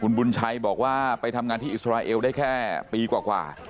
บุญชัยบอกว่าไปทำงานที่อิสราเอลได้แค่ปีกว่า